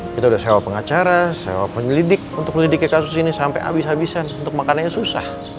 kita udah sewa pengacara sewa penyelidik untuk menyelidiki kasus ini sampai habis habisan untuk makanannya susah